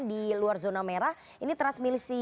di luar zona merah ini transmisi